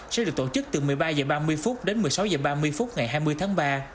sẽ được tổ chức từ một mươi ba h ba mươi đến một mươi sáu h ba mươi phút ngày hai mươi tháng ba